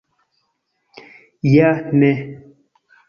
Ja ne!